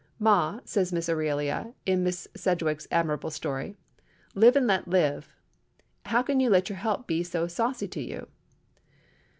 "Ma'," says Miss Aurelia in Miss Sedgwick's admirable story, "Live and let Live"—"how can you let your help be so saucy to you?"